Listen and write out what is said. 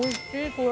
これ。